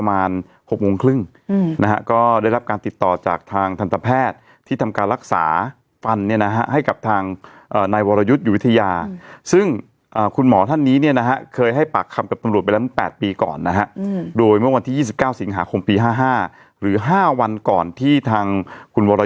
มันก็ไปแอบอยู่ตรงนั้นน่ะไอ้ตรงที่ดับเพลิงน่ะ